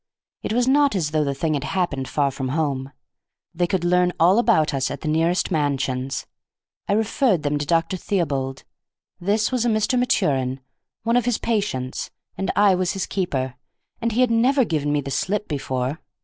It was not as though the thing had happened far from home. They could learn all about us at the nearest mansions. I referred them to Dr. Theobald; this was a Mr. Maturin, one of his patients, and I was his keeper, and he had never given me the slip before.